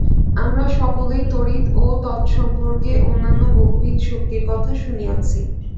আমরা সকলেই তড়িৎ ও তৎসম্পর্কে অন্যান্য বহুবিধ শক্তির কথা শুনিয়াছি।